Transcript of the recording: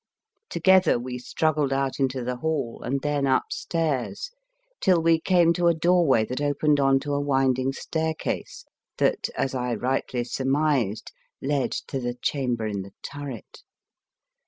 " Together we struggled out into the 47 The Fearsome Island hall and then upstairs till we came to a doorway that opened on to a wind ing staircase that, as I rightly sur mised, led to the chamber in the turret.